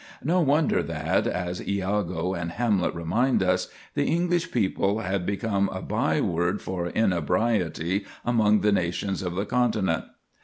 No wonder that, as Iago and Hamlet remind us, the English people had become a byword for inebriety among the nations of the continent.